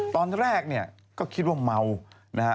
ตอนแรกก็คิดว่าเมานะฮะ